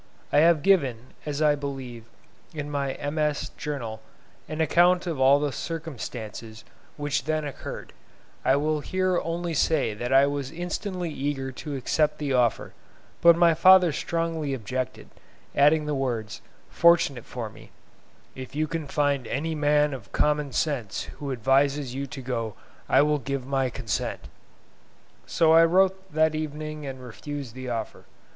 I have given, as I believe, in my MS. Journal an account of all the circumstances which then occurred; I will here only say that I was instantly eager to accept the offer, but my father strongly objected, adding the words, fortunate for me, "If you can find any man of common sense who advises you to go I will give my consent." So I wrote that evening and refused the offer.